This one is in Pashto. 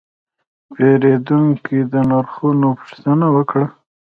پیرودونکی د نرخونو پوښتنه وکړه.